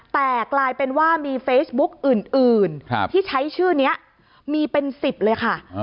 แต่กลายเป็นว่ามีเฟซบุ๊กอื่นที่ใช้ชื่อนี้มีเป็น๑๐เลยค่ะ